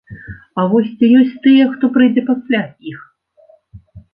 А вось ці ёсць тыя, хто прыйдзе пасля іх?